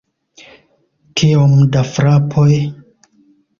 Kiom da frapoj?